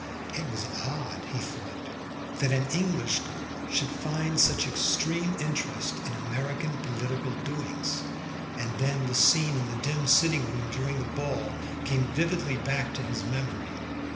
It was odd, he thought, that an English girl should find such extreme interest in American political doings, and then the scene in the dim sitting room during the ball came vividly back to his memory.